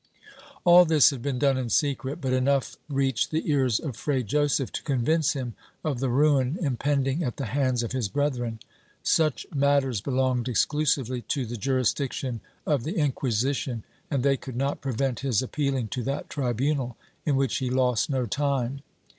All this had been done in secret, but enough reached the ears of Fray Joseph to convince him of the ruin impending at the hands of his brethren. Such matters belonged exclusively to the juris diction of the Inquisition and they could not prevent his appealing to that tribunal, in which he lost no time.